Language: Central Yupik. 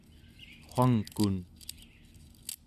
wangkun